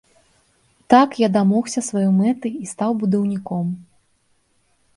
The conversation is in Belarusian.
Так я дамогся сваёй мэты і стаў будаўніком.